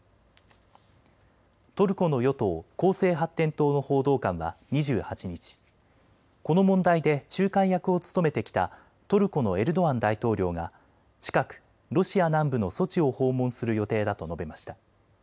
トルコの与党・公正発展党の報道官は２８日、この問題で仲介役を務めてきたトルコのエルドアン大統領が近くロシア南部のソチを訪問する予定だと述べました。